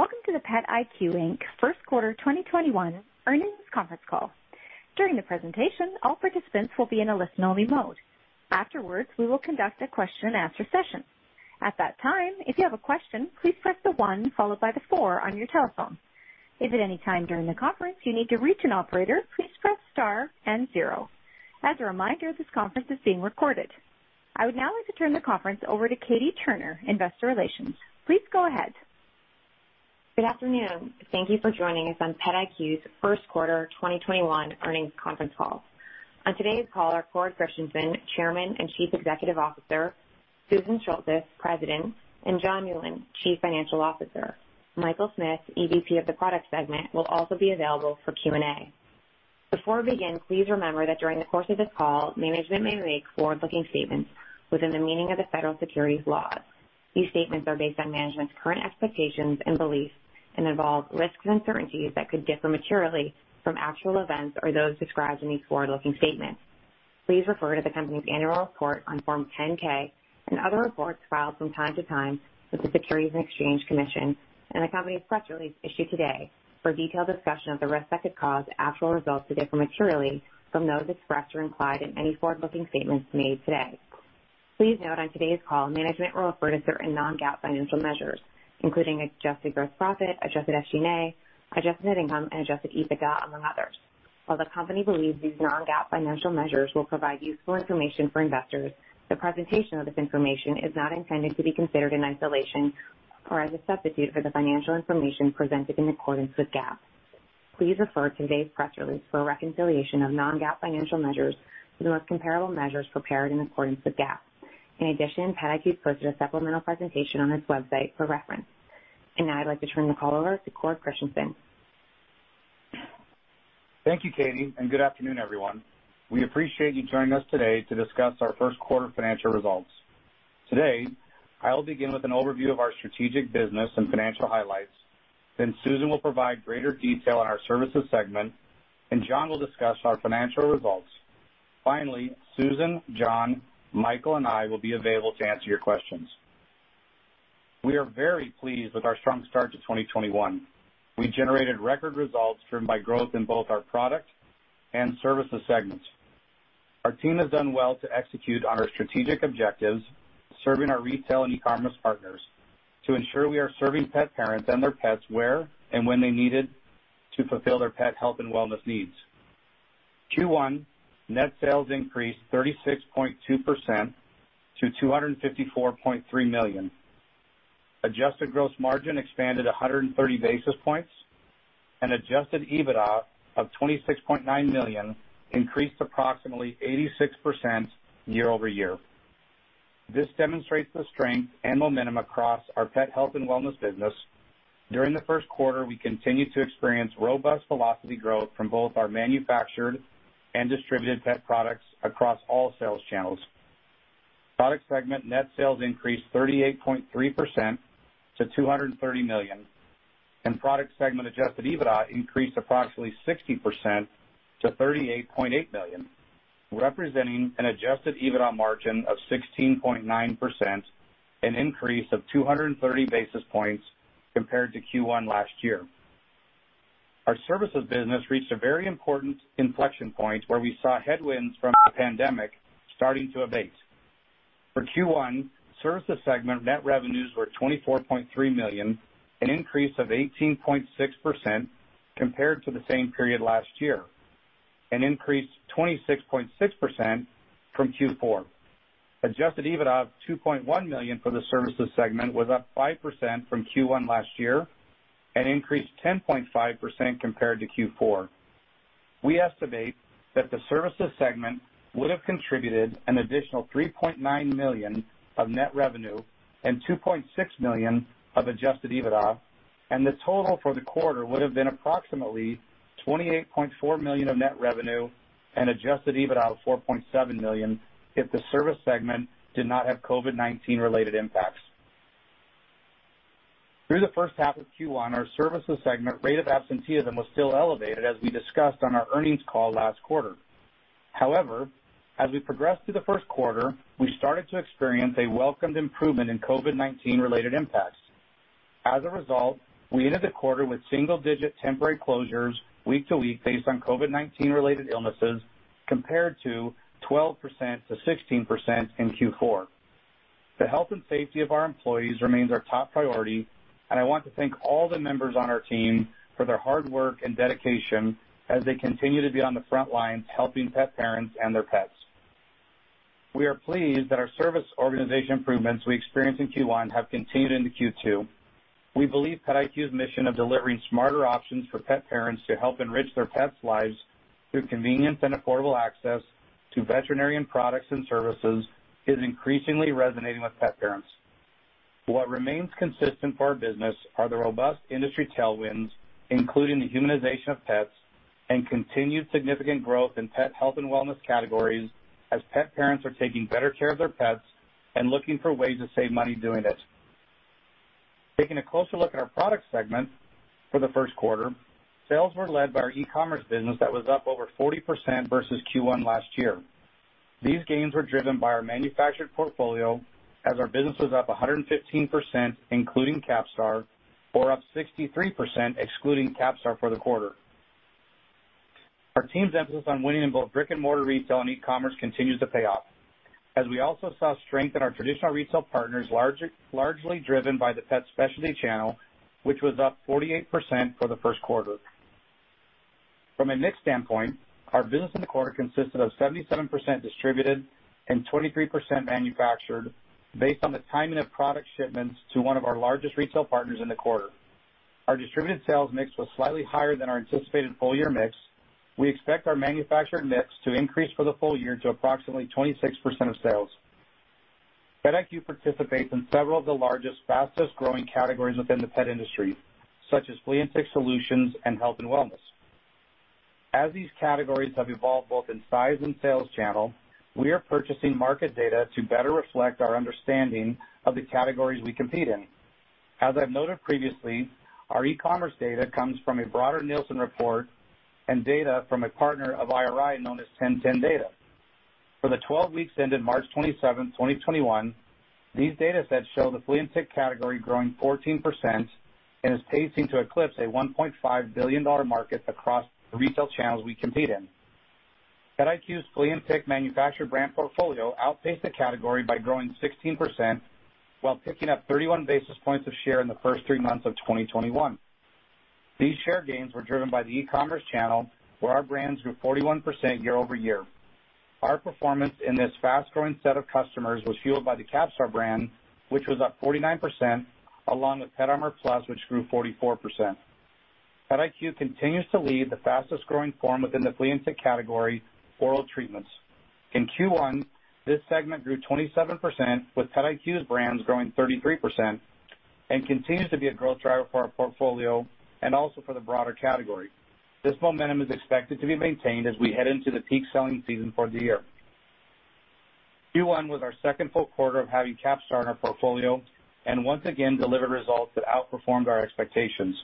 Welcome to the PetIQ, Inc first quarter 2021 earnings conference call. During the presentation, all participants will be in a listen-only mode. Afterwards, we will conduct a question-and-answer session. At that time, if you have a question, please press the one followed by the four on your telephone. If at any time during the conference you need to reach an operator, please press star and zero. As a reminder, this conference is being recorded. I would now like to turn the conference over to Katie Turner, investor relations. Please go ahead. Good afternoon. Thank you for joining us on PetIQ's first quarter 2021 earnings conference call. On today's call are Cord Christensen, Chairman and Chief Executive Officer, Susan Sholtis, President, and John Newland, Chief Financial Officer. Michael Smith, EVP of the product segment, will also be available for Q&A. Before we begin, please remember that during the course of this call, management may make forward-looking statements within the meaning of the federal securities laws. These statements are based on management's current expectations and beliefs and involve risks and uncertainties that could differ materially from actual events or those described in these forward-looking statements. Please refer to the company's annual report on Form 10-K and other reports filed from time to time with the Securities and Exchange Commission and the company's press release issued today for a detailed discussion of the risks that could cause actual results to differ materially from those expressed or implied in any forward-looking statements made today. Please note on today's call, management will refer to certain non-GAAP financial measures, including adjusted gross profit, adjusted SG&A, adjusted net income, and adjusted EBITDA, among others. While the company believes these non-GAAP financial measures will provide useful information for investors, the presentation of this information is not intended to be considered in isolation or as a substitute for the financial information presented in accordance with GAAP. Please refer to today's press release for a reconciliation of non-GAAP financial measures with the most comparable measures prepared in accordance with GAAP. In addition, PetIQ posted a supplemental presentation on its website for reference. Now I'd like to turn the call over to Cord Christensen. Thank you, Katie, and good afternoon, everyone. We appreciate you joining us today to discuss our first quarter financial results. Today, I will begin with an overview of our strategic business and financial highlights. Susan will provide greater detail on our services segment, and John will discuss our financial results. Finally, Susan, John, Michael, and I will be available to answer your questions. We are very pleased with our strong start to 2021. We generated record results driven by growth in both our product and services segments. Our team has done well to execute on our strategic objectives, serving our retail and e-commerce partners to ensure we are serving pet parents and their pets where and when they're needed to fulfill their pet health and wellness needs. Q1 net sales increased 36.2% to $254.3 million. Adjusted gross margin expanded 130 basis points. Adjusted EBITDA of $26.9 million increased approximately 86% year-over-year. This demonstrates the strength and momentum across our pet health and wellness business. During the first quarter, we continued to experience robust velocity growth from both our manufactured and distributed pet products across all sales channels. Product segment net sales increased 38.3% to $230 million. Product segment adjusted EBITDA increased approximately 60% to $38.8 million, representing an adjusted EBITDA margin of 16.9%, an increase of 230 basis points compared to Q1 last year. Our services business reached a very important inflection point where we saw headwinds from the pandemic starting to abate. For Q1, services segment net revenues were $24.3 million, an increase of 18.6% compared to the same period last year, an increase 26.6% from Q4. Adjusted EBITDA of $2.1 million for the services segment was up 5% from Q1 last year and increased 10.5% compared to Q4. We estimate that the services segment would have contributed an additional $3.9 million of net revenue and $2.6 million of adjusted EBITDA, and the total for the quarter would have been approximately $28.4 million of net revenue and adjusted EBITDA of $4.7 million if the service segment did not have COVID-19 related impacts. Through the first half of Q1, our services segment rate of absenteeism was still elevated, as we discussed on our earnings call last quarter. However, as we progressed through the first quarter, we started to experience a welcomed improvement in COVID-19 related impacts. As a result, we ended the quarter with single-digit temporary closures week to week based on COVID-19 related illnesses, compared to 12%-16% in Q4. The health and safety of our employees remains our top priority, and I want to thank all the members on our team for their hard work and dedication as they continue to be on the front lines helping pet parents and their pets. We are pleased that our service organization improvements we experienced in Q1 have continued into Q2. We believe PetIQ's mission of delivering smarter options for pet parents to help enrich their pets' lives through convenient and affordable access to veterinarian products and services is increasingly resonating with pet parents. What remains consistent for our business are the robust industry tailwinds, including the humanization of pets and continued significant growth in pet health and wellness categories as pet parents are taking better care of their pets and looking for ways to save money doing it. Taking a closer look at our product segment for the first quarter, sales were led by our e-commerce business that was up over 40% versus Q1 last year. These gains were driven by our manufactured portfolio as our business was up 115%, including CAPSTAR, or up 63% excluding CAPSTAR for the quarter. Our team's emphasis on winning in both brick and mortar retail and e-commerce continues to pay off, as we also saw strength in our traditional retail partners, largely driven by the pet specialty channel, which was up 48% for the first quarter. From a mix standpoint, our business in the quarter consisted of 77% distributed and 23% manufactured based on the timing of product shipments to one of our largest retail partners in the quarter. Our distributed sales mix was slightly higher than our anticipated full-year mix. We expect our manufactured mix to increase for the full year to approximately 26% of sales. PetIQ participates in several of the largest, fastest-growing categories within the pet industry, such as flea and tick solutions and health and wellness. As these categories have evolved both in size and sales channel, we are purchasing market data to better reflect our understanding of the categories we compete in. As I've noted previously, our e-commerce data comes from a broader Nielsen report and data from a partner of IRI known as 1010data. For the 12 weeks ended March 27, 2021, these data sets show the flea and tick category growing 14% and is pacing to eclipse a $1.5 billion market across the retail channels we compete in. PetIQ's flea and tick manufactured brand portfolio outpaced the category by growing 16% while picking up 31 basis points of share in the first three months of 2021. These share gains were driven by the e-commerce channel, where our brands grew 41% year-over-year. Our performance in this fast-growing set of customers was fueled by the CAPSTAR brand, which was up 49%, along with PetArmor Plus, which grew 44%. PetIQ continues to lead the fastest-growing form within the flea and tick category, oral treatments. In Q1, this segment grew 27%, with PetIQ's brands growing 33% and continues to be a growth driver for our portfolio and also for the broader category. This momentum is expected to be maintained as we head into the peak selling season for the year. Q1 was our second full quarter of having CAPSTAR in our portfolio and once again delivered results that outperformed our expectations.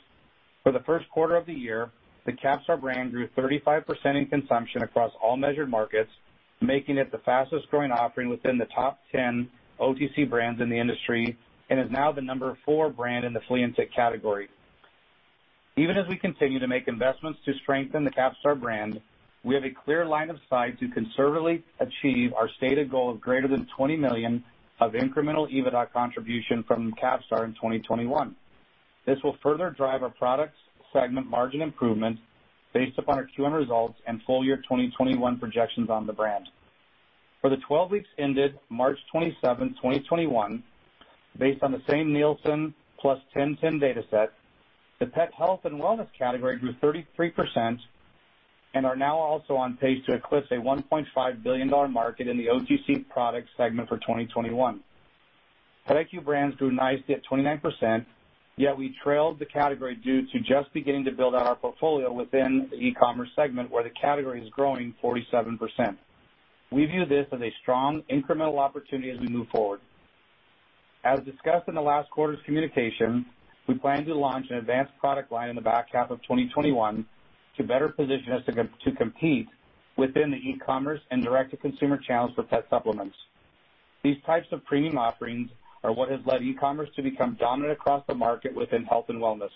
For the first quarter of the year, the CAPSTAR brand grew 35% in consumption across all measured markets, making it the fastest-growing offering within the top 10 OTC brands in the industry and is now the number four brand in the flea and tick category. Even as we continue to make investments to strengthen the CAPSTAR brand, we have a clear line of sight to conservatively achieve our stated goal of greater than $20 million of incremental EBITDA contribution from CAPSTAR in 2021. This will further drive our product segment margin improvements based upon our Q1 results and full year 2021 projections on the brand. For the 12 weeks ended March 27, 2021, based on the same Nielsen plus 1010data set, the pet health and wellness category grew 33%. Are now also on pace to eclipse a $1.5 billion market in the OTC product segment for 2021. PetIQ brands grew nicely at 29%, yet we trailed the category due to just beginning to build out our portfolio within the e-commerce segment, where the category is growing 47%. We view this as a strong incremental opportunity as we move forward. As discussed in the last quarter's communication, we plan to launch an advanced product line in the back half of 2021 to better position us to compete within the e-commerce and direct-to-consumer channels for pet supplements. These types of premium offerings are what has led e-commerce to become dominant across the market within health and wellness.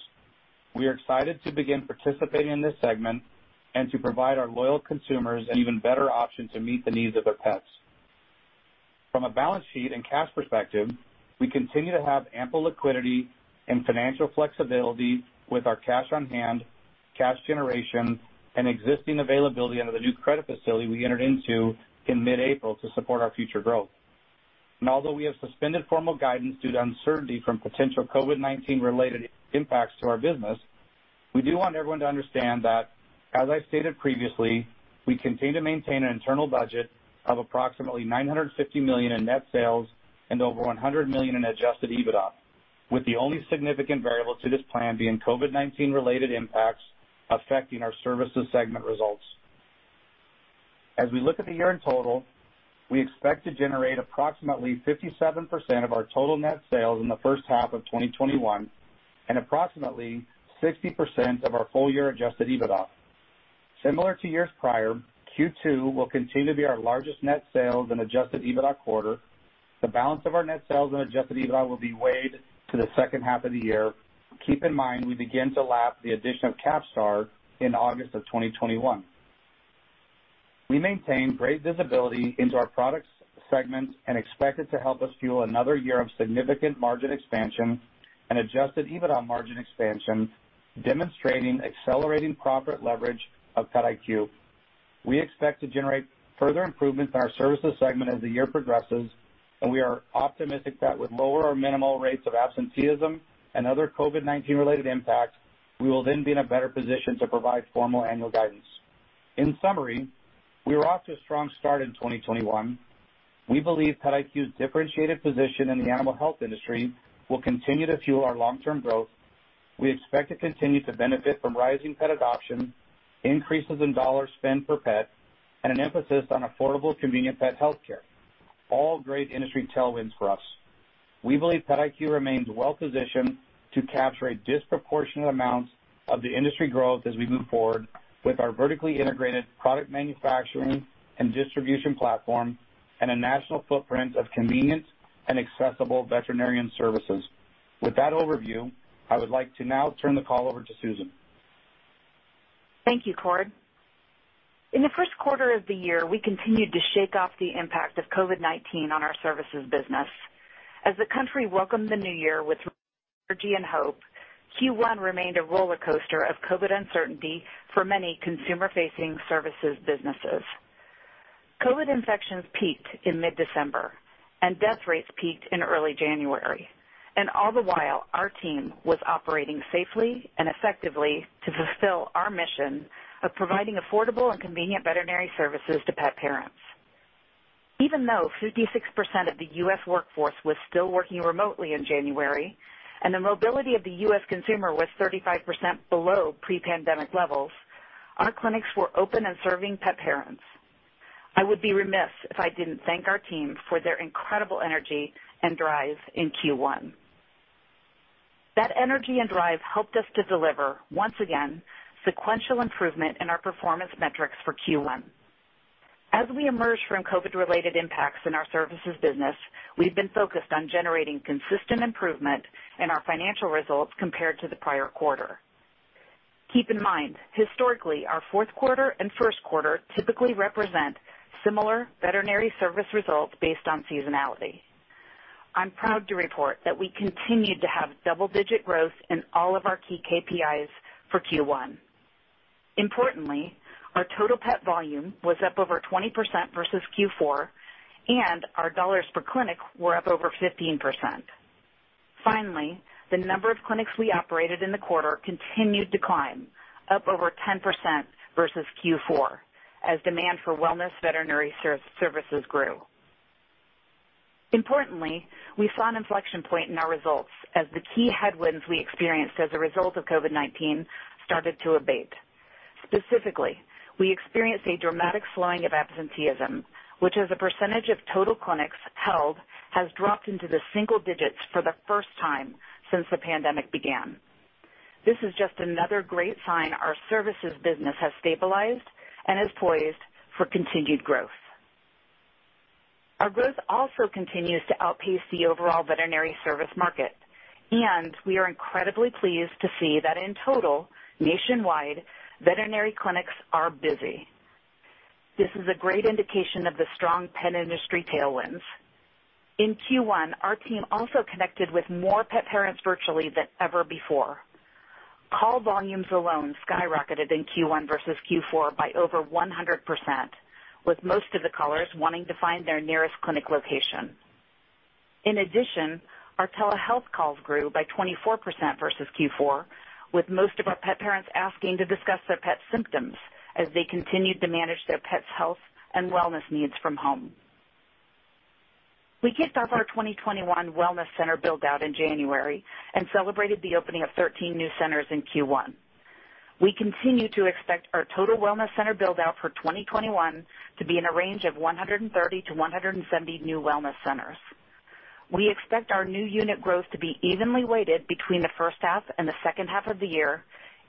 We are excited to begin participating in this segment and to provide our loyal consumers an even better option to meet the needs of their pets. From a balance sheet and cash perspective, we continue to have ample liquidity and financial flexibility with our cash on hand, cash generation, and existing availability under the new credit facility we entered into in mid-April to support our future growth. Although we have suspended formal guidance due to uncertainty from potential COVID-19 related impacts to our business, we do want everyone to understand that, as I've stated previously, we continue to maintain an internal budget of approximately $950 million in net sales and over $100 million in adjusted EBITDA, with the only significant variable to this plan being COVID-19 related impacts affecting our services segment results. As we look at the year in total, we expect to generate approximately 57% of our total net sales in the first half of 2021 and approximately 60% of our full-year adjusted EBITDA. Similar to years prior, Q2 will continue to be our largest net sales and adjusted EBITDA quarter. The balance of our net sales and adjusted EBITDA will be weighed to the second half of the year. Keep in mind, we begin to lap the addition of CAPSTAR in August of 2021. We maintain great visibility into our products segment and expect it to help us fuel another year of significant margin expansion and adjusted EBITDA margin expansion, demonstrating accelerating profit leverage of PetIQ. We expect to generate further improvements in our services segment as the year progresses. We are optimistic that with lower or minimal rates of absenteeism and other COVID-19 related impacts, we will then be in a better position to provide formal annual guidance. In summary, we were off to a strong start in 2021. We believe PetIQ's differentiated position in the animal health industry will continue to fuel our long-term growth. We expect to continue to benefit from rising pet adoption, increases in dollars spent per pet, and an emphasis on affordable, convenient pet healthcare. All great industry tailwinds for us. We believe PetIQ remains well-positioned to capture a disproportionate amount of the industry growth as we move forward with our vertically integrated product manufacturing and distribution platform and a national footprint of convenience and accessible veterinarian services. With that overview, I would like to now turn the call over to Susan. Thank you, Cord. In the first quarter of the year, we continued to shake off the impact of COVID-19 on our services business. As the country welcomed the new year with energy and hope, Q1 remained a rollercoaster of COVID uncertainty for many consumer-facing services businesses. COVID infections peaked in mid-December, and death rates peaked in early January, and all the while, our team was operating safely and effectively to fulfill our mission of providing affordable and convenient veterinary services to pet parents. Even though 56% of the U.S. workforce was still working remotely in January, and the mobility of the U.S. consumer was 35% below pre-pandemic levels, our clinics were open and serving pet parents. I would be remiss if I didn't thank our team for their incredible energy and drive in Q1. That energy and drive helped us to deliver, once again, sequential improvement in our performance metrics for Q1. As we emerge from COVID-related impacts in our services business, we've been focused on generating consistent improvement in our financial results compared to the prior quarter. Keep in mind, historically, our fourth quarter and first quarter typically represent similar veterinary service results based on seasonality. I'm proud to report that we continued to have double-digit growth in all of our key KPIs for Q1. Importantly, our total pet volume was up over 20% versus Q4, and our dollars per clinic were up over 15%. Finally, the number of clinics we operated in the quarter continued to climb, up over 10% versus Q4, as demand for wellness veterinary services grew. Importantly, we saw an inflection point in our results as the key headwinds we experienced as a result of COVID-19 started to abate. Specifically, we experienced a dramatic slowing of absenteeism, which as a percentage of total clinics held, has dropped into the single digits for the first time since the COVID-19 began. This is just another great sign our services business has stabilized and is poised for continued growth. Our growth also continues to outpace the overall veterinary service market, and we are incredibly pleased to see that in total, nationwide, veterinary clinics are busy. This is a great indication of the strong pet industry tailwinds. In Q1, our team also connected with more pet parents virtually than ever before. Call volumes alone skyrocketed in Q1 versus Q4 by over 100%, with most of the callers wanting to find their nearest clinic location. In addition, our telehealth calls grew by 24% versus Q4, with most of our pet parents asking to discuss their pet's symptoms as they continued to manage their pet's health and wellness needs from home. We kicked off our 2021 wellness center build-out in January and celebrated the opening of 13 new centers in Q1. We continue to expect our total wellness center build-out for 2021 to be in a range of 130-170 new wellness centers. We expect our new unit growth to be evenly weighted between the first half and the second half of the year,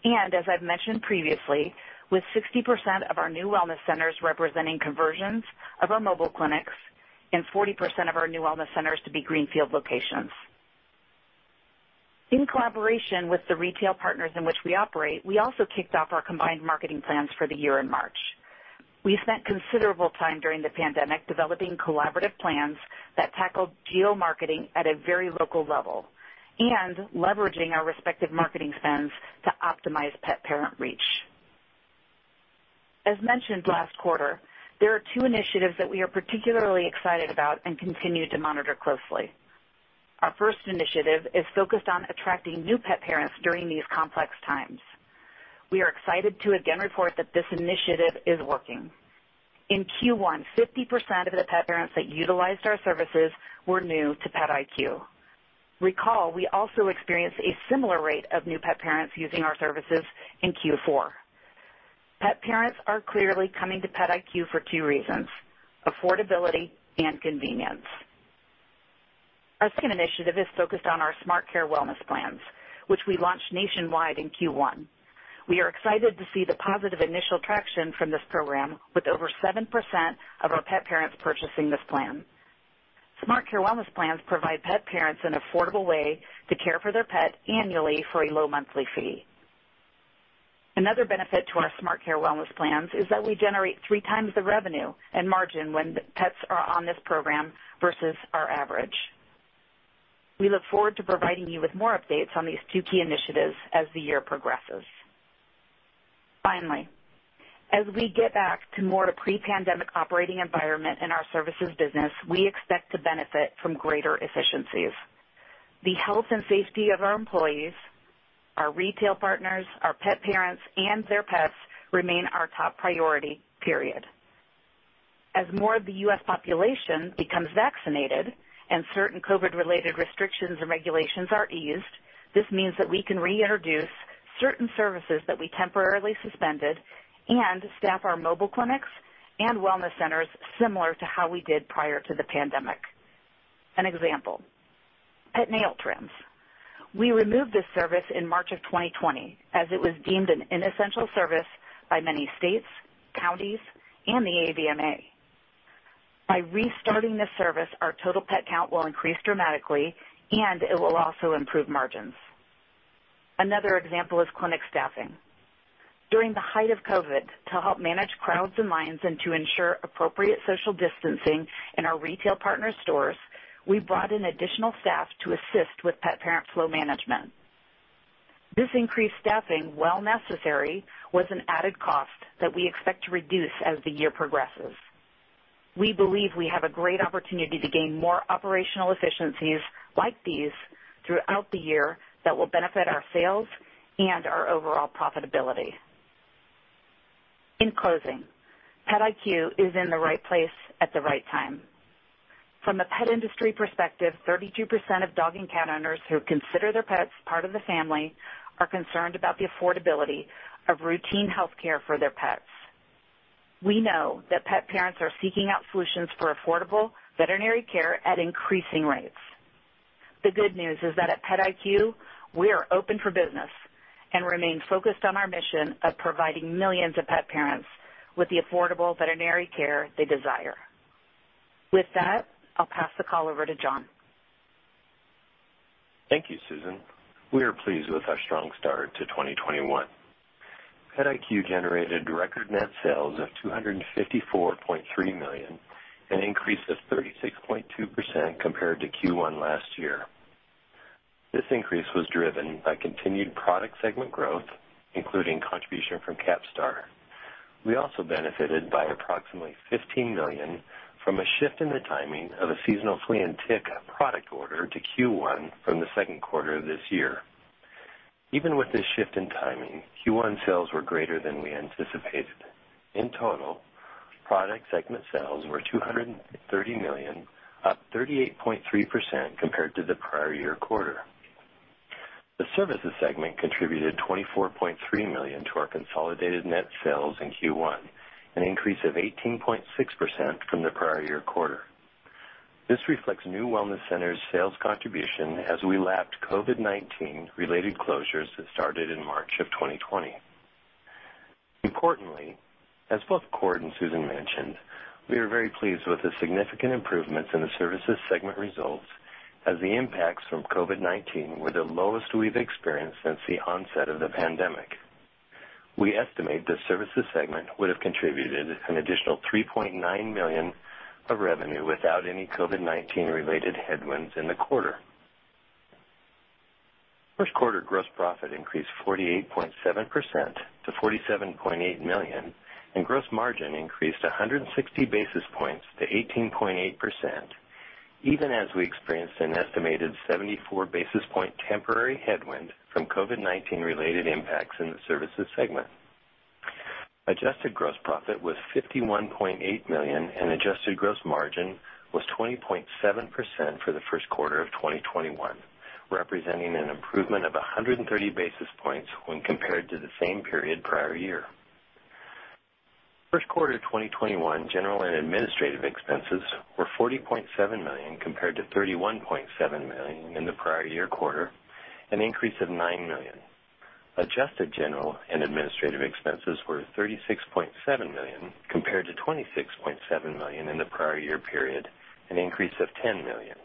and as I've mentioned previously, with 60% of our new wellness centers representing conversions of our mobile clinics and 40% of our new wellness centers to be greenfield locations. In collaboration with the retail partners in which we operate, we also kicked off our combined marketing plans for the year in March. We spent considerable time during the pandemic developing collaborative plans that tackled geo-marketing at a very local level and leveraging our respective marketing spends to optimize pet parent reach. As mentioned last quarter, there are two initiatives that we are particularly excited about and continue to monitor closely. Our first initiative is focused on attracting new pet parents during these complex times. We are excited to again report that this initiative is working. In Q1, 50% of the pet parents that utilized our services were new to PetIQ. Recall, we also experienced a similar rate of new pet parents using our services in Q4. Pet parents are clearly coming to PetIQ for two reasons, affordability and convenience. Our second initiative is focused on our SmartCare Wellness Plan, which we launched nationwide in Q1. We are excited to see the positive initial traction from this program with over 7% of our pet parents purchasing this plan. SmartCare Wellness Plan provide pet parents an affordable way to care for their pet annually for a low monthly fee. Another benefit to our SmartCare Wellness Plan is that we generate 3x the revenue and margin when pets are on this program versus our average. We look forward to providing you with more updates on these two key initiatives as the year progresses. Finally, as we get back to more to pre-pandemic operating environment in our services business, we expect to benefit from greater efficiencies. The health and safety of our employees, our retail partners, our pet parents, and their pets remain our top priority, period. As more of the U.S. population becomes vaccinated and certain COVID-related restrictions and regulations are eased, this means that we can reintroduce certain services that we temporarily suspended and staff our mobile clinics and wellness centers similar to how we did prior to the pandemic. An example is nail trims. We removed this service in March of 2020 as it was deemed an inessential service by many states, counties, and the AVMA. By restarting this service, our total pet count will increase dramatically and it will also improve margins. Another example is clinic staffing. During the height of COVID, to help manage crowds and lines, and to ensure appropriate social distancing in our retail partner stores, we brought in additional staff to assist with pet parent flow management. This increased staffing, while necessary, was an added cost that we expect to reduce as the year progresses. We believe we have a great opportunity to gain more operational efficiencies like these throughout the year that will benefit our sales and our overall profitability. In closing, PetIQ is in the right place at the right time. From a pet industry perspective, 32% of dog and cat owners who consider their pets part of the family are concerned about the affordability of routine healthcare for their pets. We know that pet parents are seeking out solutions for affordable veterinary care at increasing rates. The good news is that at PetIQ, we are open for business and remain focused on our mission of providing millions of pet parents with the affordable veterinary care they desire. With that, I'll pass the call over to John. Thank you, Susan. We are pleased with our strong start to 2021. PetIQ generated record net sales of $254.3 million, an increase of 36.2% compared to Q1 last year. This increase was driven by continued product segment growth, including contribution from CAPSTAR. We also benefited by approximately $15 million from a shift in the timing of a seasonal flea and tick product order to Q1 from the second quarter of this year. Even with this shift in timing, Q1 sales were greater than we anticipated. In total, product segment sales were $230 million, up 38.3% compared to the prior year quarter. The services segment contributed $24.3 million to our consolidated net sales in Q1, an increase of 18.6% from the prior year quarter. This reflects new wellness centers' sales contribution as we lapped COVID-19 related closures that started in March of 2020. Importantly, as both Cord and Susan mentioned, we are very pleased with the significant improvements in the services segment results as the impacts from COVID-19 were the lowest we've experienced since the onset of the pandemic. We estimate the services segment would have contributed an additional $3.9 million of revenue without any COVID-19 related headwinds in the quarter. First quarter gross profit increased 48.7% to $47.8 million and gross margin increased 160 basis points to 18.8%, even as we experienced an estimated 74 basis point temporary headwind from COVID-19 related impacts in the services segment. Adjusted gross profit was $51.8 million and adjusted gross margin was 20.7% for the first quarter of 2021, representing an improvement of 130 basis points when compared to the same period prior year. First quarter 2021 general and administrative expenses were $40.7 million compared to $31.7 million in the prior year quarter, an increase of $9 million. Adjusted general and administrative expenses were $36.7 million, compared to $26.7 million in the prior year period, an increase of $10 million.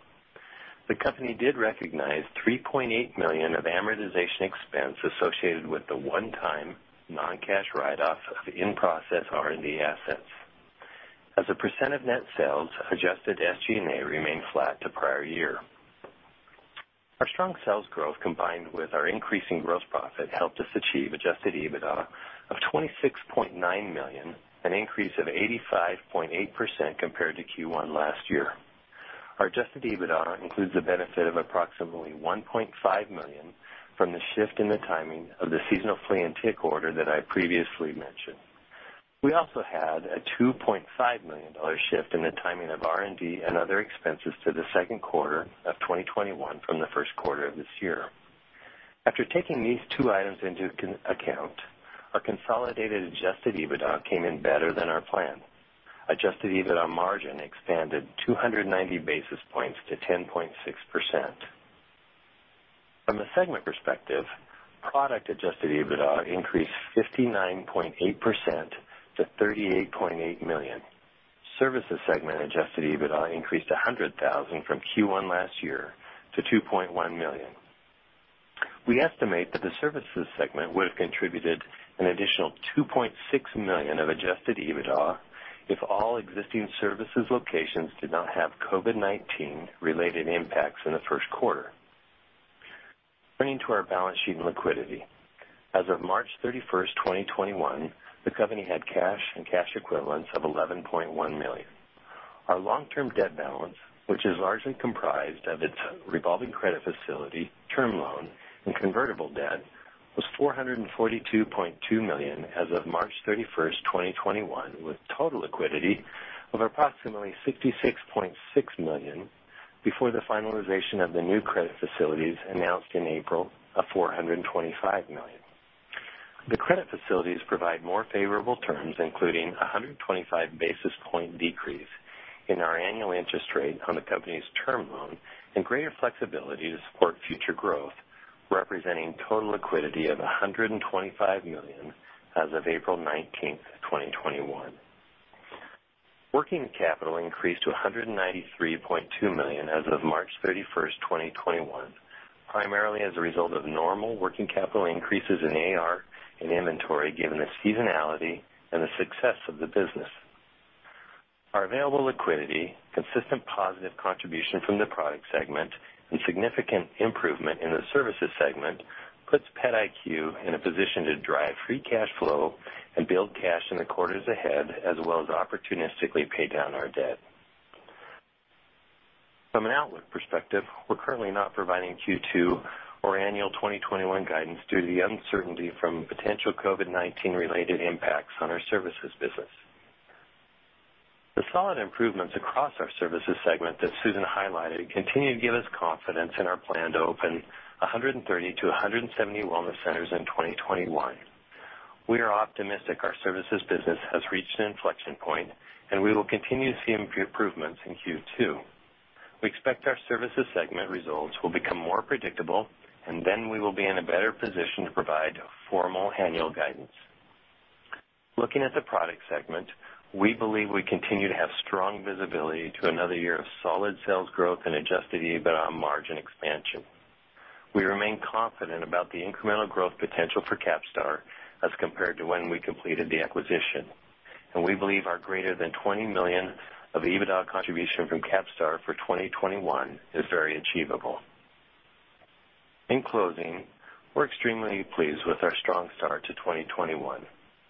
The company did recognize $3.8 million of amortization expense associated with the one-time non-cash write-off of in-process R&D assets. As a percent of net sales, adjusted SG&A remained flat to prior year. Our strong sales growth, combined with our increasing gross profit, helped us achieve adjusted EBITDA of $26.9 million, an increase of 85.8% compared to Q1 last year. Our adjusted EBITDA includes the benefit of approximately $1.5 million from the shift in the timing of the seasonal flea and tick order that I previously mentioned. We also had a $2.5 million shift in the timing of R&D and other expenses to the second quarter of 2021 from the first quarter of this year. After taking these two items into account, our consolidated adjusted EBITDA came in better than our plan. Adjusted EBITDA margin expanded 290 basis points to 10.6%. From a segment perspective, product adjusted EBITDA increased 59.8% to $38.8 million. Services segment adjusted EBITDA increased $100,000 from Q1 last year to $2.1 million. We estimate that the services segment would have contributed an additional $2.6 million of adjusted EBITDA if all existing services locations did not have COVID-19 related impacts in the first quarter. Turning to our balance sheet and liquidity. As of March 31st, 2021, the company had cash and cash equivalents of $11.1 million. Our long-term debt balance, which is largely comprised of its revolving credit facility, term loan, and convertible debt, was $442.2 million as of March 31st, 2021, with total liquidity of approximately $66.6 million, before the finalization of the new credit facilities announced in April of $425 million. The credit facilities provide more favorable terms, including 125 basis point decrease in our annual interest rate on the company's term loan, and greater flexibility to support future growth, representing total liquidity of $125 million as of April 19th, 2021. Working capital increased to $193.2 million as of March 31st, 2021, primarily as a result of normal working capital increases in AR and inventory, given the seasonality and the success of the business. Our available liquidity, consistent positive contribution from the product segment, and significant improvement in the services segment puts PetIQ in a position to drive free cash flow and build cash in the quarters ahead, as well as opportunistically pay down our debt. From an outlook perspective, we're currently not providing Q2 or annual 2021 guidance due to the uncertainty from potential COVID-19-related impacts on our services business. The solid improvements across our services segment that Susan highlighted continue to give us confidence in our plan to open 130-170 wellness centers in 2021. We are optimistic our services business has reached an inflection point, and we will continue to see improvements in Q2. We expect our services segment results will become more predictable, and then we will be in a better position to provide formal annual guidance. Looking at the product segment, we believe we continue to have strong visibility to another year of solid sales growth and adjusted EBITDA margin expansion. We remain confident about the incremental growth potential for CAPSTAR as compared to when we completed the acquisition, and we believe our greater than $20 million of EBITDA contribution from CAPSTAR for 2021 is very achievable. In closing, we're extremely pleased with our strong start to 2021.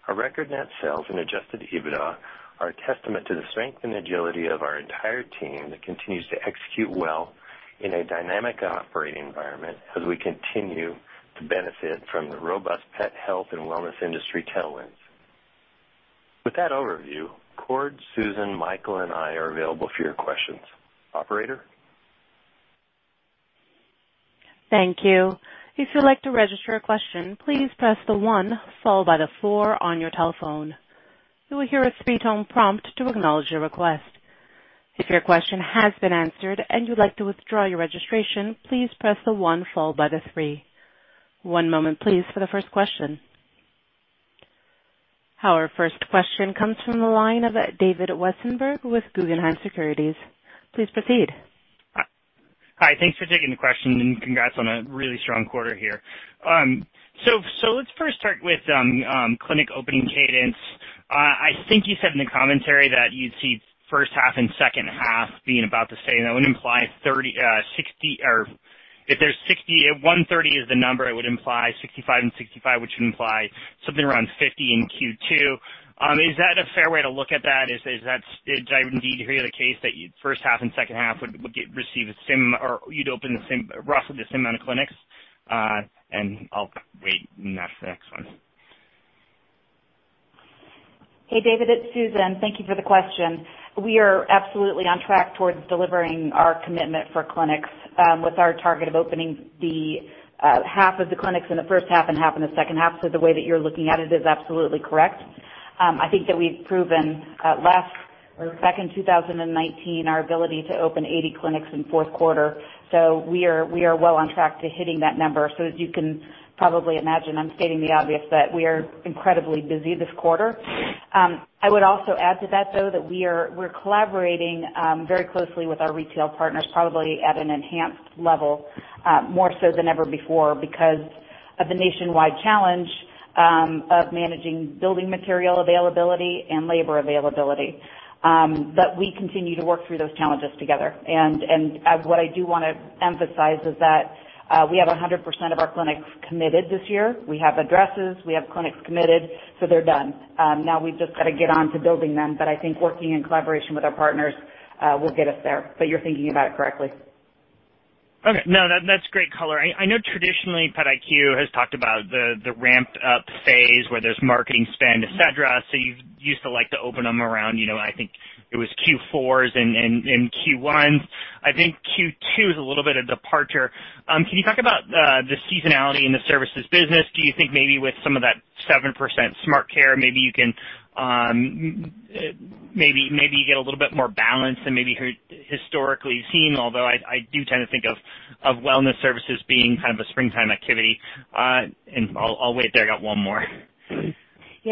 Our record net sales and adjusted EBITDA are a testament to the strength and agility of our entire team that continues to execute well in a dynamic operating environment as we continue to benefit from the robust pet health and wellness industry tailwinds. With that overview, Cord, Susan, Michael, and I are available for your questions. Operator? Thank you. If you'd like to register a question, please press the one followed by the four on your telephone. You will hear a three-tone prompt to acknowledge your request. If your question has been answered and you'd like to withdraw your registration, please press the one followed by the three. One moment, please, for the first question. Our first question comes from the line of David Westenberg with Guggenheim Securities. Please proceed. Hi. Thanks for taking the question and congrats on a really strong quarter here. Let's first start with clinic opening cadence. I think you said in the commentary that you'd see first half and second half being about the same. That would imply 130 is the number. It would imply 65 and 65, which would imply something around 50 in Q2. Is that a fair way to look at that? Is that indeed really the case that first half and second half you'd open roughly the same amount of clinics? I'll wait and ask the next one. David, it's Susan. Thank you for the question. We are absolutely on track towards delivering our commitment for clinics, with our target of opening the half of the clinics in the first half and half in the second half, the way that you're looking at it is absolutely correct. I think that we've proven last, or second 2019 our ability to open 80 clinics in fourth quarter. We are well on track to hitting that number. As you can probably imagine, I'm stating the obvious that we are incredibly busy this quarter. I would also add to that, though, that we're collaborating very closely with our retail partners, probably at an enhanced level, more so than ever before because of the nationwide challenge of managing building material availability and labor availability. We continue to work through those challenges together. What I do want to emphasize is that we have 100% of our clinics committed this year. We have addresses. We have clinics committed, so they're done. Now we've just got to get on to building them, but I think working in collaboration with our partners will get us there. You're thinking about it correctly. Okay. No, that's great color. I know traditionally PetIQ has talked about the ramped-up phase where there's marketing spend, et cetera. You used to like to open them around, I think, it was Q4s and Q1s. I think Q2 is a little bit of departure. Can you talk about the seasonality in the services business? Do you think maybe with some of that 7% SmartCare, maybe you get a little bit more balance than maybe historically seen? Although I do tend to think of wellness services being kind of a springtime activity. I'll wait there. I got one more.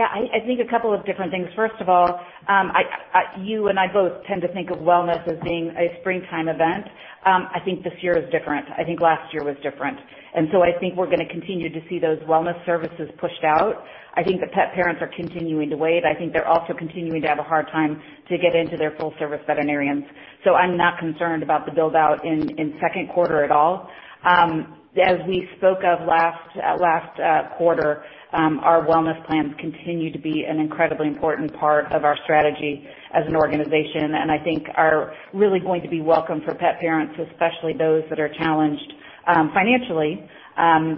I think a couple of different things. First of all, you and I both tend to think of wellness as being a springtime event. I think this year is different. I think last year was different. I think we're going to continue to see those wellness services pushed out. I think the pet parents are continuing to wait. I think they're also continuing to have a hard time to get into their full-service veterinarians. I'm not concerned about the build-out in second quarter at all. As we spoke of last quarter, our wellness plans continue to be an incredibly important part of our strategy as an organization, and I think are really going to be welcome for pet parents, especially those that are challenged financially,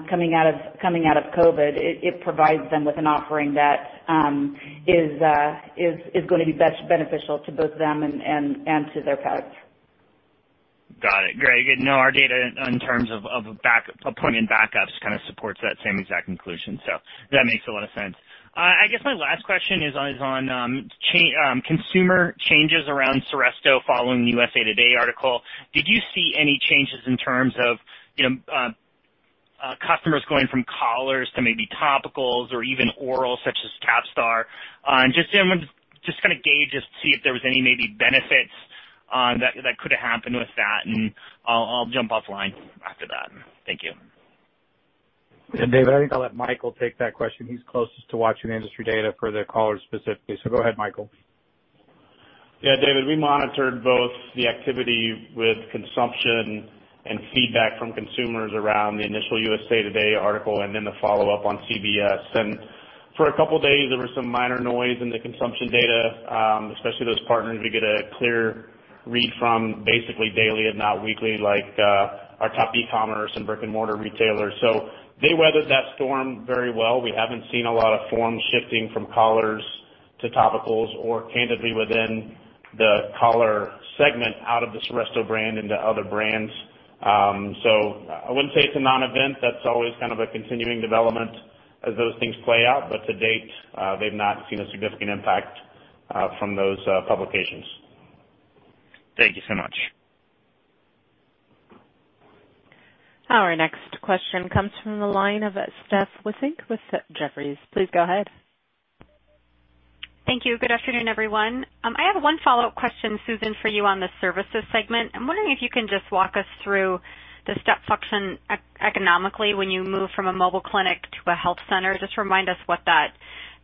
coming out of COVID-19, it provides them with an offering that is going to be beneficial to both them and to their pets. Got it. Great. Our data in terms of appointment backups supports that same exact conclusion. That makes a lot of sense. I guess my last question is on consumer changes around Seresto following the USA Today article. Did you see any changes in terms of customers going from collars to maybe topicals or even oral such as CAPSTAR? I wanted to just gauge to see if there was any maybe benefits that could have happened with that, and I'll jump off line after that. Thank you. David, I think I'll let Michael take that question. He's closest to watching industry data for the collars specifically. Go ahead, Michael. David, we monitored both the activity with consumption and feedback from consumers around the initial USA Today article and the follow-up on CBS. For a couple of days, there was some minor noise in the consumption data, especially those partners we get a clear read from basically daily, if not weekly, like our top e-commerce and brick-and-mortar retailers. They weathered that storm very well. We haven't seen a lot of forms shifting from collars to topicals, or candidly, within the collar segment out of the Seresto brand into other brands. I wouldn't say it's a non-event. That's always a continuing development as those things play out. To date, they've not seen a significant impact from those publications. Thank you so much. Our next question comes from the line of Steph Wissink with Jefferies. Please go ahead. Thank you. Good afternoon, everyone. I have one follow-up question, Susan, for you on the services segment. I'm wondering if you can just walk us through the step function economically when you move from a mobile clinic to a health center. Just remind us what that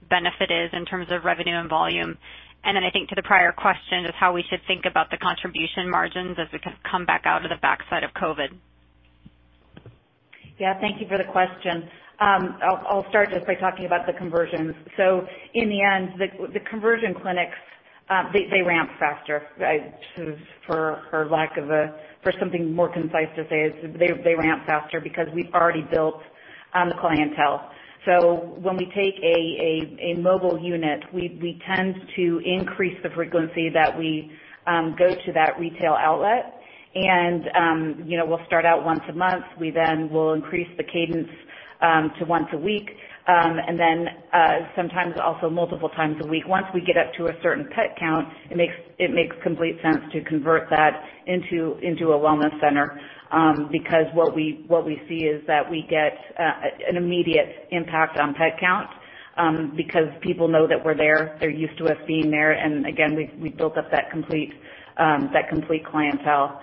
benefit is in terms of revenue and volume. Then I think to the prior question is how we should think about the contribution margins as we come back out of the backside of COVID-19. Yeah, thank you for the question. I'll start just by talking about the conversions. In the end, the conversion clinics, they ramp faster. For something more concise to say is they ramp faster because we've already built the clientele. When we take a mobile unit, we tend to increase the frequency that we go to that retail outlet. We'll start out once a month. We then will increase the cadence to once a week, and then sometimes also multiple times a week. Once we get up to a certain pet count, it makes complete sense to convert that into a wellness center, because what we see is that we get an immediate impact on pet count because people know that we're there. They're used to us being there. Again, we built up that complete clientele.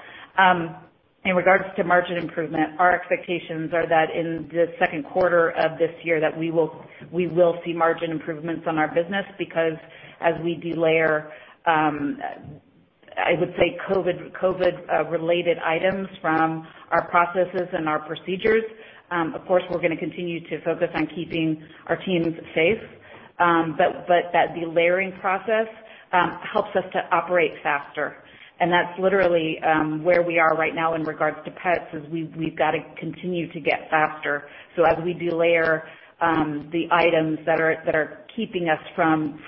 In regards to margin improvement, our expectations are that in the second quarter of this year that we will see margin improvements on our business because as we de-layer, I would say COVID-19-related items from our processes and our procedures. Of course, we're going to continue to focus on keeping our teams safe. That de-layering process helps us to operate faster, and that's literally where we are right now in regards to pets, is we've got to continue to get faster. As we de-layer the items that are keeping us from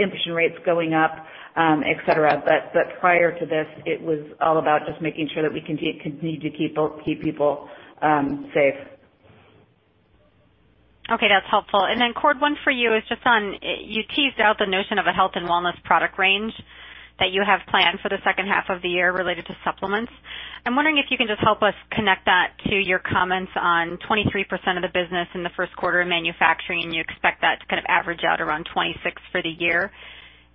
inflation rates going up, et cetera. Prior to this, it was all about just making sure that we continue to keep people safe. Okay, that's helpful. Cord, one for you is just on, you teased out the notion of a health and wellness product range that you have planned for the second half of the year related to supplements. I'm wondering if you can just help us connect that to your comments on 23% of the business in the first quarter of manufacturing, and you expect that to average out around 26% for the year.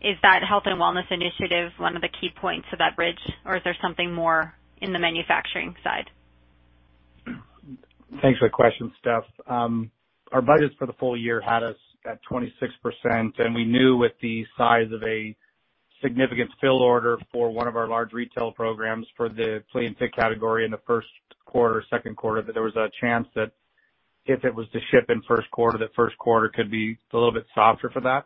Is that health and wellness initiative one of the key points of that bridge, or is there something more in the manufacturing side? Thanks for the question, Steph. Our budgets for the full year had us at 26%. We knew with the size of a significant fill order for one of our large retail programs for the flea and tick category in the first quarter, second quarter, that there was a chance that if it was to ship in first quarter, that first quarter could be a little bit softer for that.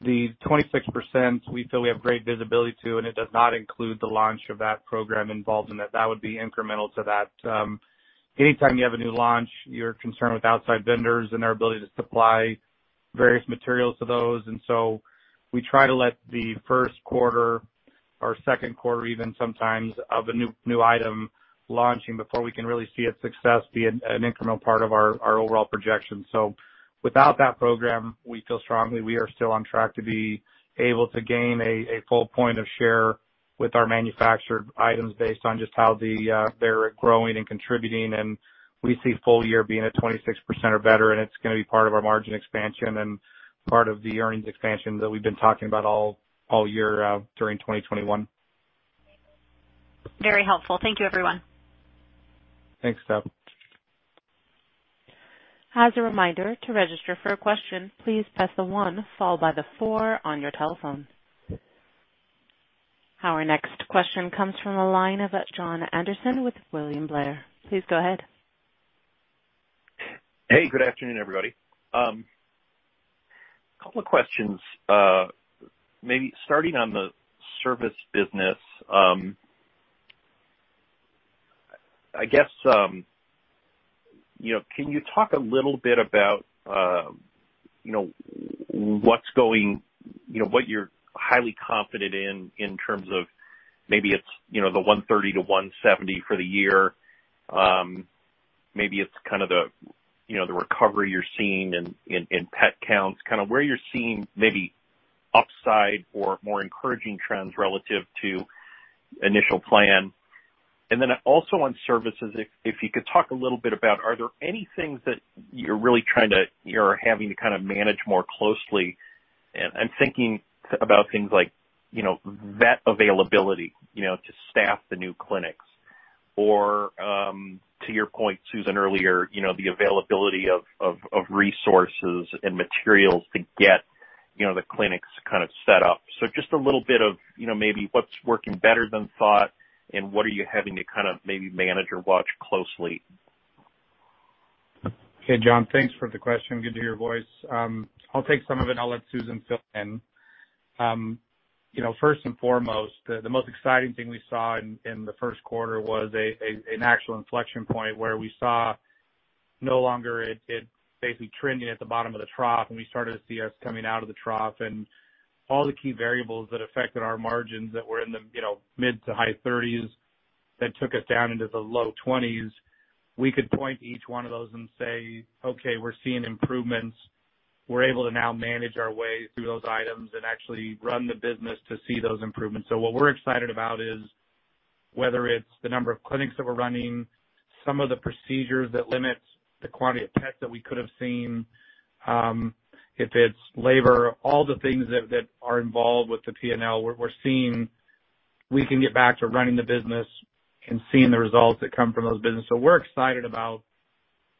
The 26%, we feel we have great visibility to. It does not include the launch of that program involved in it. That would be incremental to that. Anytime you have a new launch, you're concerned with outside vendors and their ability to supply various materials to those. We try to let the first quarter or second quarter even sometimes of a new item launching before we can really see its success be an incremental part of our overall projection. Without that program, we feel strongly we are still on track to be able to gain a full point of share with our manufactured items based on just how they're growing and contributing, and we see full year being at 26% or better, and it's going to be part of our margin expansion and part of the earnings expansion that we've been talking about all year during 2021. Very helpful. Thank you, everyone. Thanks, Steph. As a reminder, to register for a question, please press the one followed by the four on your telephone. Our next question comes from the line of Jon Andersen with William Blair. Please go ahead. Hey, good afternoon, everybody. A couple of questions. Maybe starting on the service business, can you talk a little bit about what you're highly confident in terms of maybe it's the 130-170 for the year? Maybe it's the recovery you're seeing in pet counts. Where you're seeing maybe upside or more encouraging trends relative to initial plan. Also on services, if you could talk a little bit about, are there any things that you're having to manage more closely? I'm thinking about things like vet availability to staff the new clinics, or, to your point, Susan, earlier, the availability of resources and materials to get the clinics set up. Just a little bit of maybe what's working better than thought, and what are you having to maybe manage or watch closely? Okay, Jon, thanks for the question. Good to hear your voice. I'll take some of it, and I'll let Susan fill in. First and foremost, the most exciting thing we saw in the first quarter was an actual inflection point, where we saw no longer it basically trending at the bottom of the trough, and we started to see us coming out of the trough. All the key variables that affected our margins that were in the mid-to-high 30s that took us down into the low 20s, we could point to each one of those and say, "Okay, we're seeing improvements." We're able to now manage our way through those items and actually run the business to see those improvements. What we're excited about is whether it's the number of clinics that we're running, some of the procedures that limit the quantity of pets that we could have seen. If it's labor, all the things that are involved with the P&L we're seeing, we can get back to running the business and seeing the results that come from those businesses. We're excited about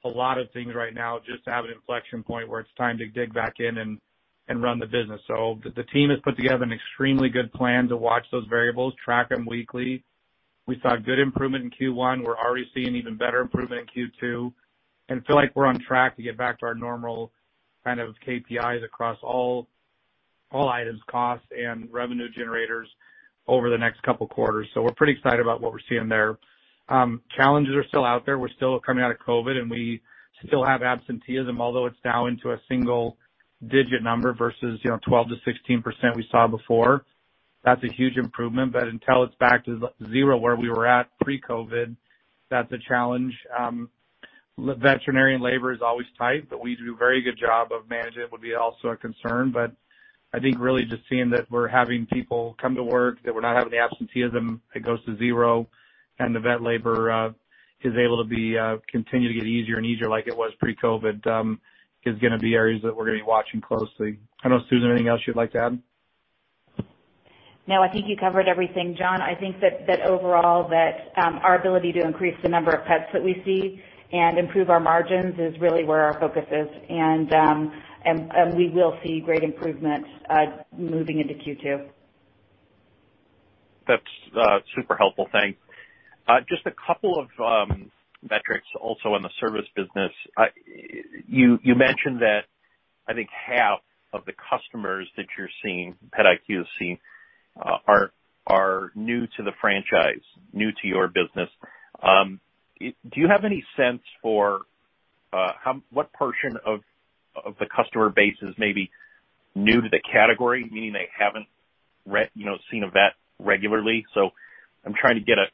a lot of things right now, just to have an inflection point where it's time to dig back in and run the business. The team has put together an extremely good plan to watch those variables, track them weekly. We saw good improvement in Q1. We're already seeing even better improvement in Q2, and feel like we're on track to get back to our normal kind of KPIs across all items, costs, and revenue generators over the next couple quarters. We're pretty excited about what we're seeing there. Challenges are still out there. We're still coming out of COVID, and we still have absenteeism, although it's now into a single-digit number versus 12%-16% we saw before. That's a huge improvement, but until it's back to zero where we were at pre-COVID, that's a challenge. Veterinarian labor is always tight, but we do a very good job of managing it, would be also a concern. I think really just seeing that we're having people come to work, that we're not having the absenteeism that goes to zero, and the vet labor is able to continue to get easier and easier like it was pre-COVID, is going to be areas that we're going to be watching closely. I don't know, Susan, anything else you'd like to add? No, I think you covered everything, Jon. I think that overall that our ability to increase the number of pets that we see and improve our margins is really where our focus is. We will see great improvements moving into Q2. That's super helpful. Thanks. Just a couple of metrics also on the service business. You mentioned that I think half of the customers that PetIQ has seen are new to the franchise, new to your business. Do you have any sense for what portion of the customer base is maybe new to the category, meaning they haven't seen a vet regularly? I'm trying to get a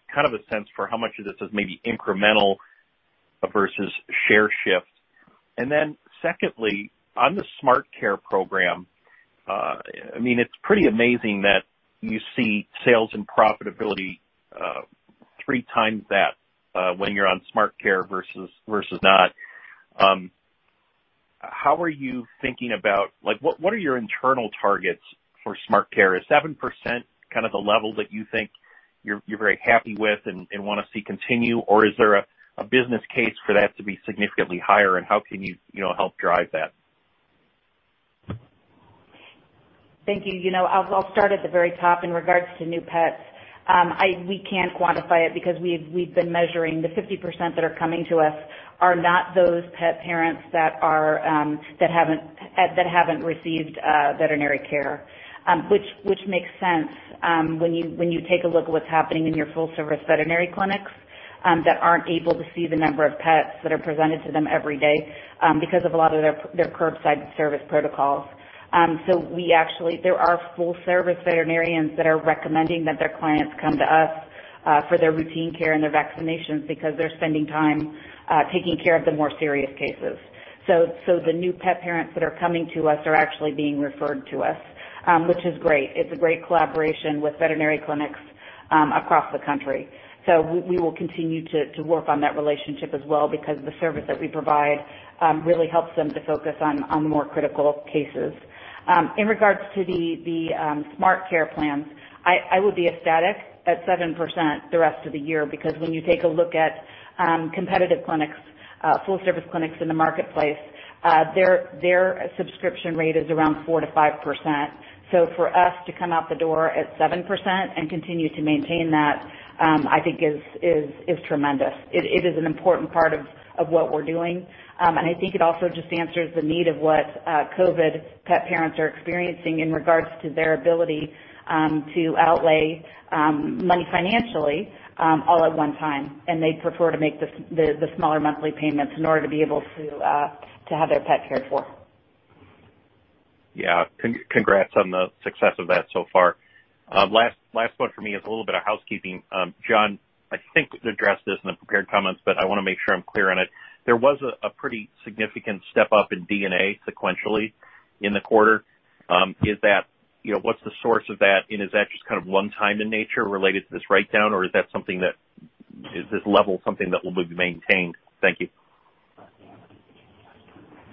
sense for how much of this is maybe incremental versus share shift. Secondly, on the SmartCare program, it's pretty amazing that you see sales and profitability 3x that when you're on SmartCare versus not. What are your internal targets for SmartCare? Is 7% kind of the level that you think you're very happy with and want to see continue, or is there a business case for that to be significantly higher, and how can you help drive that? Thank you. I'll start at the very top in regards to new pets. We can't quantify it because we've been measuring the 50% that are coming to us are not those pet parents that haven't received veterinary care. Which makes sense when you take a look at what's happening in your full service veterinary clinics that aren't able to see the number of pets that are presented to them every day because of a lot of their curbside service protocols. There are full service veterinarians that are recommending that their clients come to us for their routine care and their vaccinations because they're spending time taking care of the more serious cases. The new pet parents that are coming to us are actually being referred to us, which is great. It's a great collaboration with veterinary clinics across the country. We will continue to work on that relationship as well because the service that we provide really helps them to focus on more critical cases. In regards to the SmartCare plans, I would be ecstatic at 7% the rest of the year because when you take a look at competitive clinics, full service clinics in the marketplace, their subscription rate is around 4%-5%. For us to come out the door at 7% and continue to maintain that, I think is tremendous. It is an important part of what we're doing. I think it also just answers the need of what COVID-19 pet parents are experiencing in regards to their ability to outlay money financially all at one time. They prefer to make the smaller monthly payments in order to be able to have their pet cared for. Yeah. Congrats on the success of that so far. Last point for me is a little bit of housekeeping. John, I think you addressed this in the prepared comments, but I want to make sure I'm clear on it. There was a pretty significant step-up in D&A sequentially in the quarter. What's the source of that? Is that just kind of one-time in nature related to this write-down, or is this level something that will be maintained? Thank you.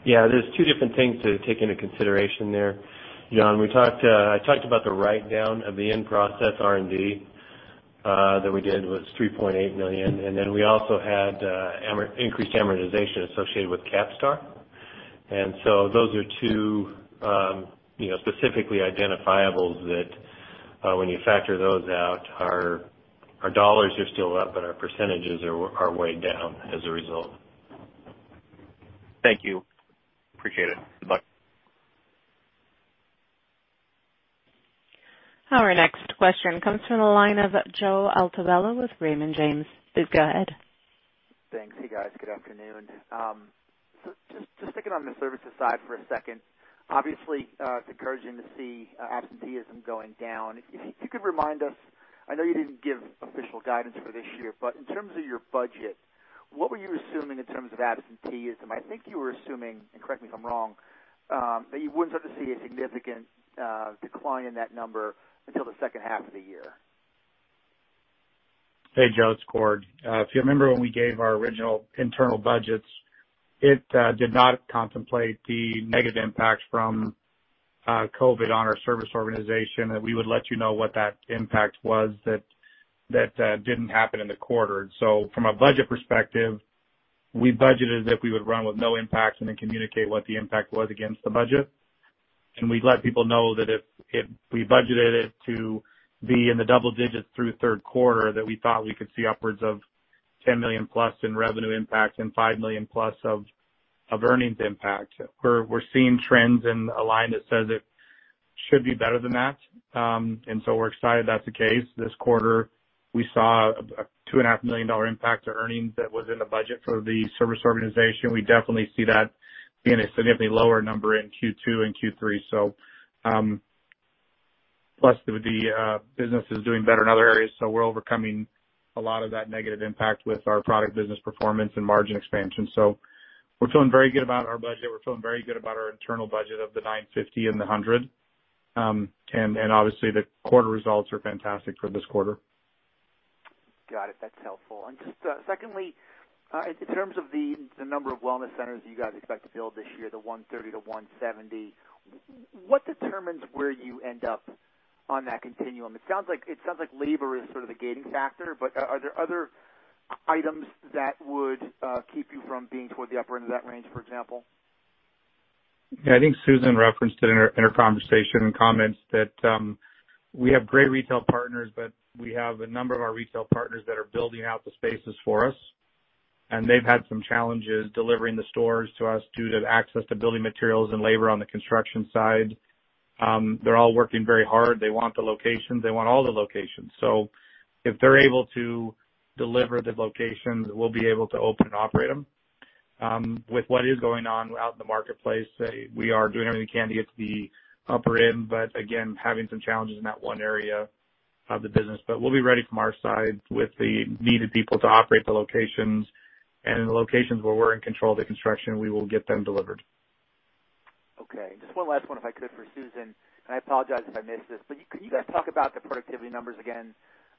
Yeah, there's two different things to take into consideration there, Jon. I talked about the write-down of the in-process R&D that we did, was $3.8 million. We also had increased amortization associated with CAPSTAR. Those are two specifically identifiables that, when you factor those out, our dollars are still up, but our percentages are way down as a result. Thank you. Appreciate it. Goodbye. Our next question comes from the line of Joe Altobello with Raymond James. Please go ahead. Thanks. Hey, guys. Good afternoon. Just sticking on the services side for a second, obviously, it's encouraging to see absenteeism going down. If you could remind us, I know you didn't give official guidance for this year, but in terms of your budget, what were you assuming in terms of absenteeism? I think you were assuming, and correct me if I'm wrong, that you wouldn't start to see a significant decline in that number until the second half of the year. Hey, Joe, it's Cord. If you remember when we gave our original internal budgets, it did not contemplate the negative impact from COVID on our service organization, and we would let you know what that impact was that didn't happen in the quarter. From a budget perspective, we budgeted as if we would run with no impact and then communicate what the impact was against the budget. We'd let people know that if we budgeted it to be in the double digits through third quarter, that we thought we could see upwards of $10+ million in revenue impact and $5+ million of earnings impact. We're seeing trends and a line that says it should be better than that. We're excited that's the case. This quarter, we saw a $2.5 million impact to earnings that was in the budget for the service organization. We definitely see that being a significantly lower number in Q2 and Q3. The business is doing better in other areas, we're overcoming a lot of that negative impact with our product business performance and margin expansion. We're feeling very good about our budget. We're feeling very good about our internal budget of the $950 million and the $100 million. Obviously, the quarter results are fantastic for this quarter. Got it. That's helpful. Just secondly, in terms of the number of wellness centers you guys expect to build this year, the 130-170, what determines where you end up on that continuum? It sounds like labor is sort of the gating factor, are there other items that would keep you from being toward the upper end of that range, for example? Yeah, I think Susan referenced it in her conversation and comments that we have great retail partners, but we have a number of our retail partners that are building out the spaces for us, and they've had some challenges delivering the stores to us due to access to building materials and labor on the construction side. They're all working very hard. They want the locations. They want all the locations. If they're able to deliver the locations, we'll be able to open and operate them. With what is going on out in the marketplace, we are doing everything we can to get to the upper end, but again, having some challenges in that one area of the business. We'll be ready from our side with the needed people to operate the locations. In the locations where we're in control of the construction, we will get them delivered. Okay. Just one last one, if I could, for Susan, and I apologize if I missed this, but can you guys talk about the productivity numbers again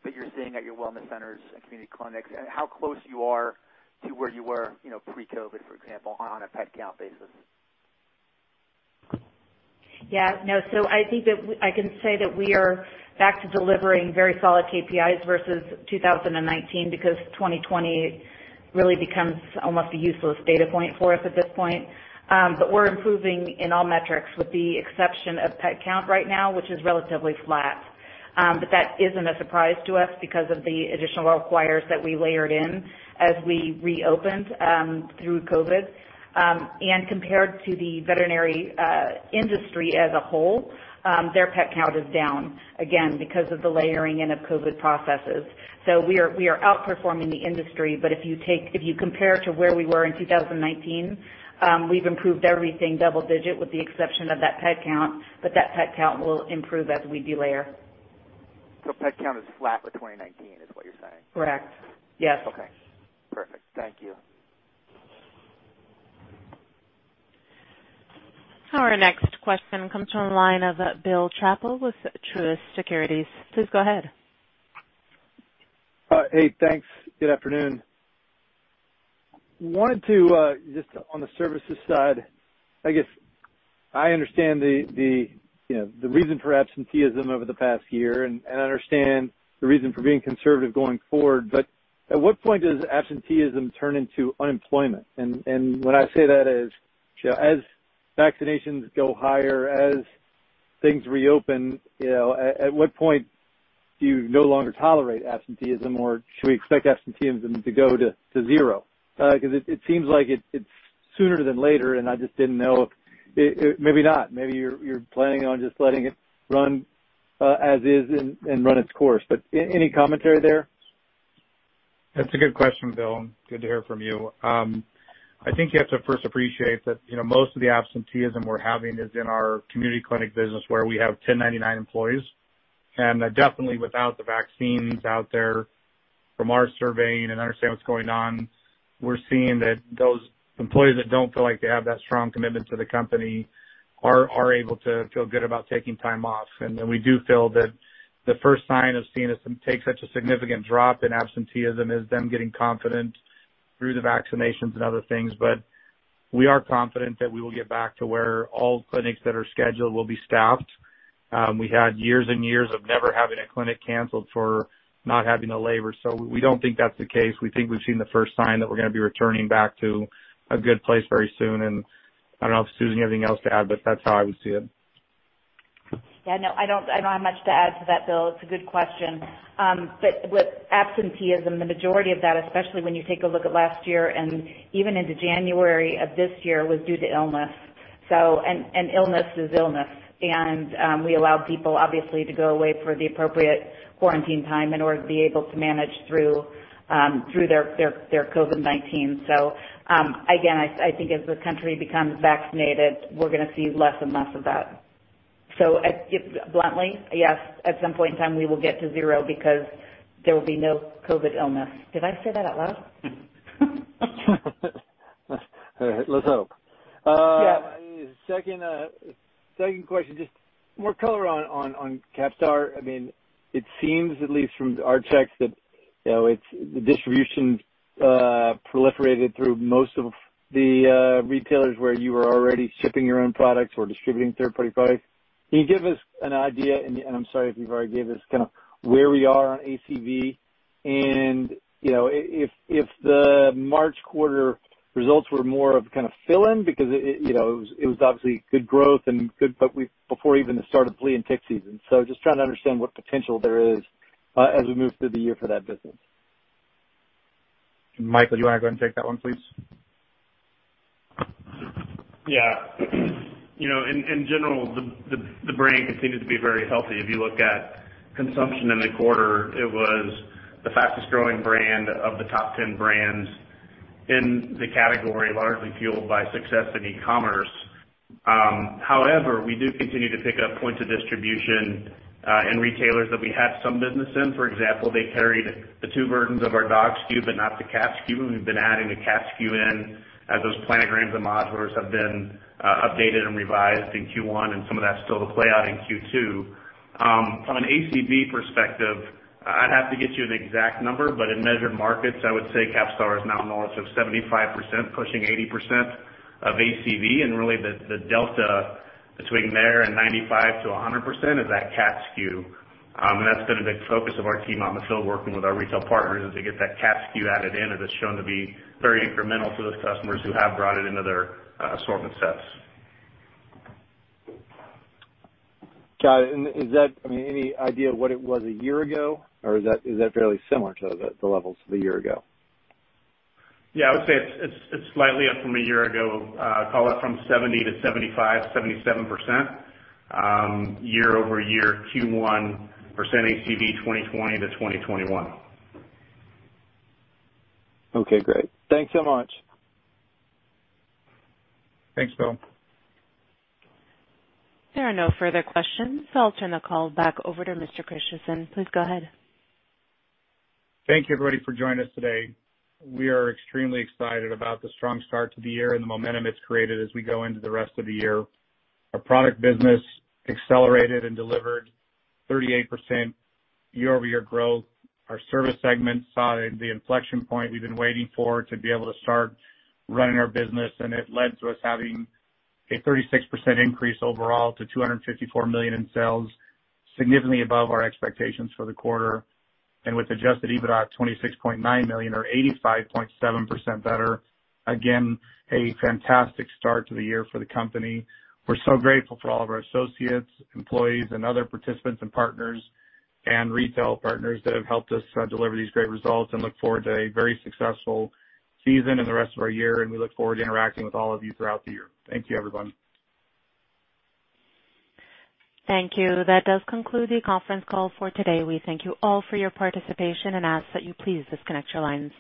that you're seeing at your wellness centers and community clinics, and how close you are to where you were, pre-COVID, for example, on a pet count basis? I think that I can say that we are back to delivering very solid KPIs versus 2019 because 2020 really becomes almost a useless data point for us at this point. We're improving in all metrics with the exception of pet count right now, which is relatively flat. That isn't a surprise to us because of the additional requires that we layered in as we reopened through COVID-19. Compared to the veterinary industry as a whole, their pet count is down, again, because of the layering and of COVID-19 processes. We are outperforming the industry. If you compare to where we were in 2019, we've improved everything double-digit with the exception of that pet count. That pet count will improve as we delayer. Pet count is flat with 2019 is what you're saying? Correct. Yes. Okay. Perfect. Thank you. Our next question comes from the line of Bill Chappell with Truist Securities. Please go ahead. Hey, thanks. Good afternoon. Just on the services side, I guess I understand the reason for absenteeism over the past year and understand the reason for being conservative going forward. At what point does absenteeism turn into unemployment? When I say that is, as vaccinations go higher, as things reopen, at what point do you no longer tolerate absenteeism, or should we expect absenteeism to go to zero? It seems like it's sooner than later. I just didn't know if. Maybe not. Maybe you're planning on just letting it run as is and run its course. Any commentary there? That's a good question, Bill. Good to hear from you. I think you have to first appreciate that most of the absenteeism we're having is in our community clinic business, where we have 1099 employees. Definitely without the vaccines out there, from our surveying and understand what's going on, we're seeing that those employees that don't feel like they have that strong commitment to the company are able to feel good about taking time off. Then we do feel that the first sign of seeing us take such a significant drop in absenteeism is them getting confident through the vaccinations and other things. We are confident that we will get back to where all clinics that are scheduled will be staffed. We had years and years of never having a clinic canceled for not having the labor. We don't think that's the case. We think we've seen the first sign that we're going to be returning back to a good place very soon. I don't know if Susan, you have anything else to add, but that's how I would see it. No, I don't have much to add to that, Bill. It's a good question. With absenteeism, the majority of that, especially when you take a look at last year and even into January of this year, was due to illness. Illness is illness. We allowed people, obviously, to go away for the appropriate quarantine time in order to be able to manage through their COVID-19. Again, I think as the country becomes vaccinated, we're going to see less and less of that. Bluntly, yes, at some point in time, we will get to zero because there will be no COVID illness. Did I say that out loud? Let's hope. Yeah. Second question, just more color on CAPSTAR. It seems, at least from our checks, that the distribution proliferated through most of the retailers where you were already shipping your own products or distributing third-party products. Can you give us an idea, and I'm sorry if you've already gave us, where we are on ACV? If the March quarter results were more of fill-in, because it was obviously good growth and good, but before even the start of flea and tick season. Just trying to understand what potential there is as we move through the year for that business. Michael, do you want to go and take that one, please? Yeah. In general, the brand continued to be very healthy. If you look at consumption in the quarter, it was the fastest growing brand of the top 10 brands in the category, largely fueled by success in e-commerce. We do continue to pick up points of distribution and retailers that we have some business in. For example, they carried the two versions of our dog SKU, but not the cat SKU. We've been adding the cat SKU in as those planograms and modulars have been updated and revised in Q1, and some of that's still to play out in Q2. From an ACV perspective, I'd have to get you an exact number, but in measured markets, I would say CAPSTAR is now north of 75%, pushing 80% of ACV. Really the delta between there and 95%-100% is that cat SKU. That's been a big focus of our team on the field, working with our retail partners, is to get that cat SKU added in, as it's shown to be very incremental to those customers who have brought it into their assortment sets. Got it. Is that any idea what it was a year ago, or is that fairly similar to the levels of a year ago? Yeah, I would say it's slightly up from a year ago. Call it from 70%-75%, 77% year-over-year Q1, percent ACV 2020-2021. Okay, great. Thanks so much. Thanks, Bill. There are no further questions. I'll turn the call back over to Mr. Christensen. Please go ahead. Thank you, everybody, for joining us today. We are extremely excited about the strong start to the year and the momentum it's created as we go into the rest of the year. Our product business accelerated and delivered 38% year-over-year growth. Our service segment saw the inflection point we've been waiting for to be able to start running our business, it led to us having a 36% increase overall to $254 million in sales, significantly above our expectations for the quarter. With adjusted EBITDA at $26.9 million, or 85.7% better, again, a fantastic start to the year for the company. We're so grateful for all of our associates, employees, and other participants and partners and retail partners that have helped us deliver these great results and look forward to a very successful season in the rest of our year, and we look forward to interacting with all of you throughout the year. Thank you, everyone. Thank you. That does conclude the conference call for today. We thank you all for your participation and ask that you please disconnect your lines.